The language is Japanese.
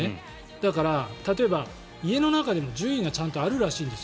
だから、例えば家の中でも順位がちゃんとあるらしいんです。